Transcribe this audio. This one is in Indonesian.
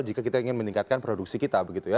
jika kita ingin meningkatkan produksi kita